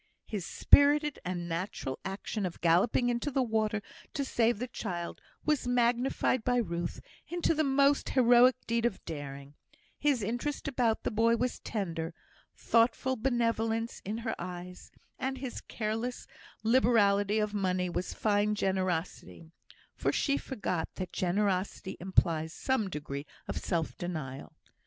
His spirited and natural action of galloping into the water to save the child, was magnified by Ruth into the most heroic deed of daring; his interest about the boy was tender, thoughtful benevolence in her eyes, and his careless liberality of money was fine generosity; for she forgot that generosity implies some degree of self denial.